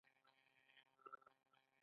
کوکنارو ګل څومره رنګونه لري؟